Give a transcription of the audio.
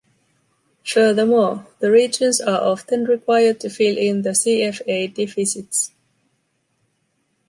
Furthermore, the regions are often required to fill in the CFA deficits.